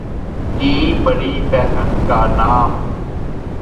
کی بڑی بہن کا نام